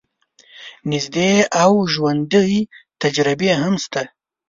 نژدې او ژوندۍ تجربې هم شته.